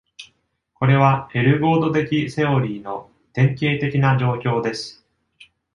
これはエルゴード的セオリーの典型的な状況です。